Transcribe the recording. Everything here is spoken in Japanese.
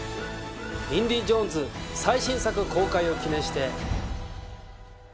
『インディ・ジョーンズ』最新作公開を記念して。